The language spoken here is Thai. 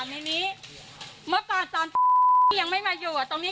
บอกไออี้พวกผลัดจะอย่าหน้าให้ฝ่านในนี้